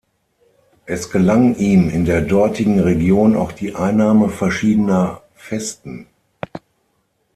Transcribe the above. Es gelang ihm in der dortigen Region auch die Einnahme verschiedener Festen.